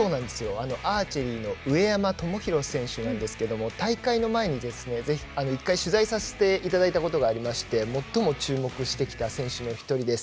アーチェリーの上山友裕選手なんですけれども大会の前に１回取材させていただいたことがありまして最も注目してきた選手の１人です。